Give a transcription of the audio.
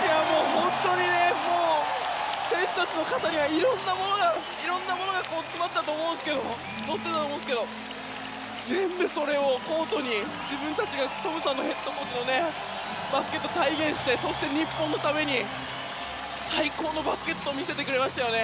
本当にね、もう選手たちの肩にはいろんなものが詰まってた乗ってたと思うんですけど全部それをコートに自分たちがトムヘッドコーチのバスケットを体現してそして日本のために最高のバスケットを見せてくれましたよね。